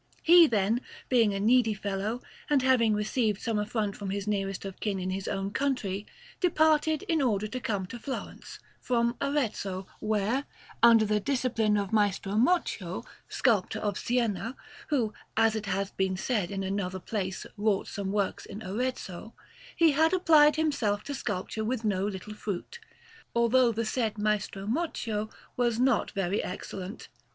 He, then, being a needy fellow, and having received some affront from his nearest of kin in his own country, departed, in order to come to Florence, from Arezzo, where under the discipline of Maestro Moccio, sculptor of Siena, who, as it has been said in another place, wrought some works in Arezzo he had applied himself to sculpture with no little fruit, although the said Maestro Moccio was not very excellent.